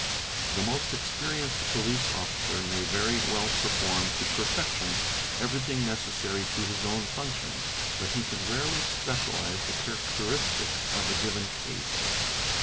The most experienced police officer may very well perform to perfection everything necessary to his own functions, but he can rarely specialize the characteristics of a given case.